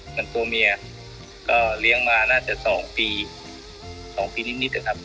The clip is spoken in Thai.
เหมือนตัวเมียก็เลี้ยงมาน่าจะสองปีสองปีนิดนิดอะครับ